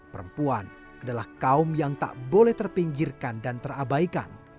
perempuan adalah kaum yang tak boleh terpinggirkan dan terabaikan